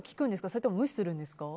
それとも無視するんですか？